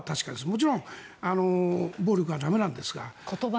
もちろん暴力は駄目なんですが。